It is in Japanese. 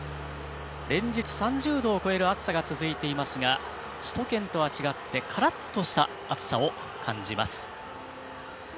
連日、３０度を超える暑さが続いていますが首都圏とは違ってからっとした暑さを感じます。